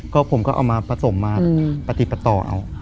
ก็ผมก็เอามาผสมมาปฏิปต่อเอา